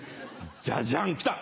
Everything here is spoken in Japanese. ジャジャン来た。